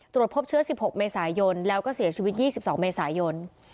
ตรวจพบเชื้อ๑๖เมษายนแล้วก็เสียชีวิต๒๒เมษายน